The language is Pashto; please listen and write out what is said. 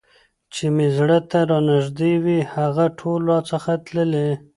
چي مي زړه ته رانیژدې وي هغه ټول راڅخه تللي